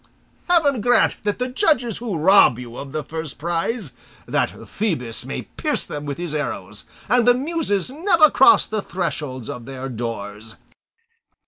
Heaven grant that the judges who rob you of the first prize that Phoebus may pierce them with his arrows, and the Muses never cross the thresholds of their doors.